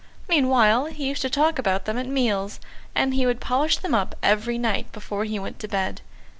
Meanwhile he used to talk about them at meals, and he would polish them up every night before he went to bed.